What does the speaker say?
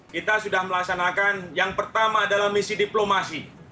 kita sudah melaksanakan yang pertama adalah misi diplomasi